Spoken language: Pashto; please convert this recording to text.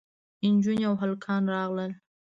نجونې او هلکان راغلل.